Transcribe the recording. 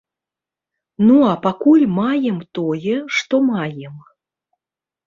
Ну, а пакуль маем тое, што маем.